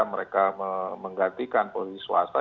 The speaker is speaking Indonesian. mereka menggantikan polisi swasta